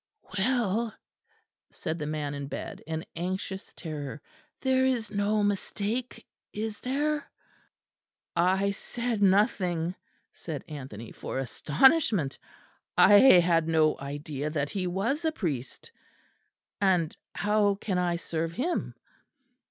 "Well," said the man in bed, in anxious terror, "there is no mistake, is there?" "I said nothing," said Anthony, "for astonishment; I had no idea that he was a priest. And how can I serve him?"